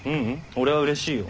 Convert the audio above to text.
俺はうれしいよ。